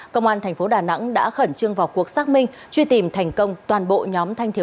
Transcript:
công an thành phố đà nẵng đã khẩn trương vào cuộc xác minh truy tìm thành công toàn bộ nhóm thanh thiếu